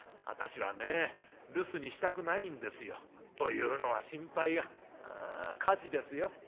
私はね留守にしたくないんですよ。というのは心配は火事ですよ。